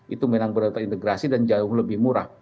itu memang berintegrasi dan jauh lebih murah